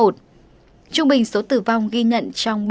trung bình số tử vong ghi nhận